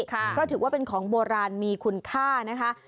เพราะถือว่าเป็นของโบราณมีคุณค่านะคะ